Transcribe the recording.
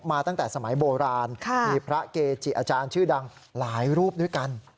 ตั้งแต่สมัยโบราณมีพระเกจิอาจารย์ชื่อดังหลายรูปด้วยกัน